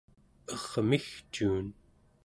ermigcuun